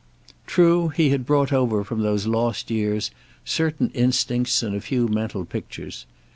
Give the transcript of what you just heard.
True, he had brought over from those lost years certain instincts and a few mental pictures.